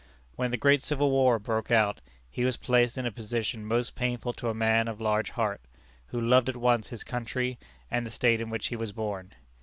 When the great civil war broke out, he was placed in a position most painful to a man of large heart, who loved at once his country and the state in which he was born.